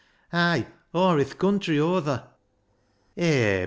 Ay, or i' th' country oather.